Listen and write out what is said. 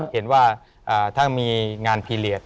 เห็นว่าถ้ามีงานพีเรียส